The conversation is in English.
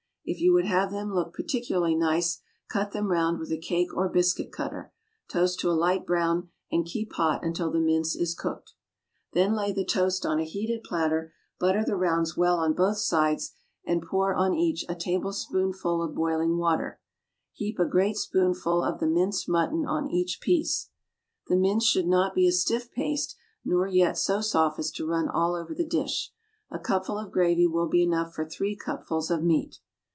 If you would have them look particularly nice, cut them round with a cake or biscuit cutter. Toast to a light brown, and keep hot until the mince is cooked. Then lay the toast on a heated platter; butter the rounds well on both sides, and pour on each a tablespoonful of boiling water. Heap a great spoonful of the minced mutton on each piece. The mince should not be a stiff paste, nor yet so soft as to run all over the dish. A cupful of gravy will be enough for three cupfuls of meat.